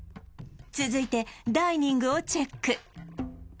続いてダイニングをチェック